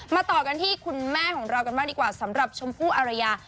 ต่อกันที่คุณแม่ของเรากันบ้างดีกว่าสำหรับชมพู่อารยา